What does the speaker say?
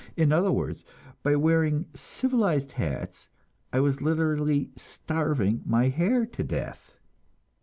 In other words, by wearing civilized hats, I was literally starving my hair to death.